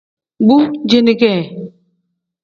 Bu ceeni kee.